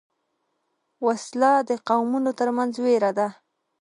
وسله د قومونو تر منځ وېره ده